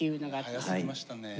早すぎましたね。